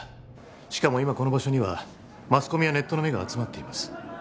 しかも今この場所にはマスコミやネットの目が集まっています